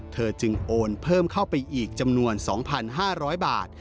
เธอจึงโอนเพิ่มเข้าไปอีกจำนวน๒๕๐๐บาท